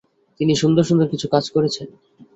তিনি সুন্দর সুন্দর কিছু কাজ করেছেন।